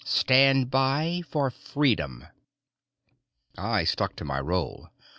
Stand by for freedom!_ I stuck to my role.